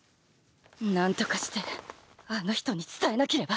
何とかしてあの人に伝えなければ